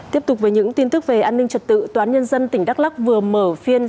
tiếp tục với những tin tức về an ninh trật tự tòa án nhân dân tỉnh đắk lắc vừa mở phiên